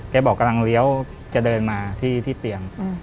บอกกำลังเลี้ยวจะเดินมาที่เตียง